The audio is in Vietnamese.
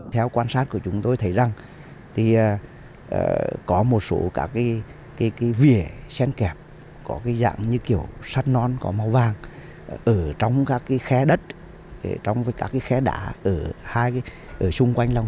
theo quan sát của chúng tôi nguồn nước tại thủy lợi ngàn trươi có các thông số như sắt amoni co cod vượt ngưỡng